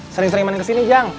sering sering main kesini jang